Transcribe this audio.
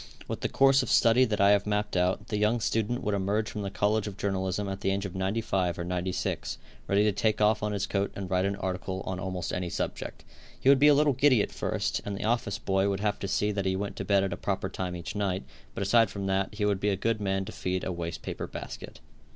With the course of study that I have mapped out, the young student would emerge from the college of journalism at the age of 95 or 96, ready to take off his coat and write an article on almost any subject. He would be a little giddy at first, and the office boy would have to see that he went to bed at a proper time each night, but aside from that, he would be a good man to feed a waste paper basket.